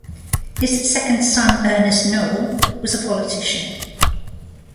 His second son Ernest Noel was a politician.